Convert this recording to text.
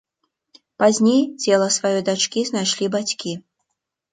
Пазней цела сваёй дачкі знайшлі бацькі.